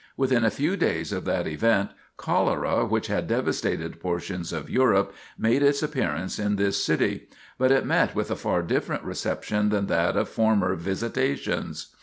Within a few days of that event, cholera, which had devastated portions of Europe, made its appearance in this city; but it met with a far different reception than that of former visitations.